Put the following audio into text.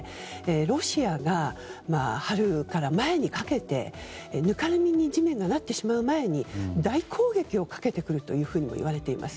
ロシアが春から前にかけてぬかるみに地面がなってしまう前に大攻撃をかけてくるといわれています。